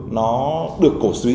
nó được cổ suyên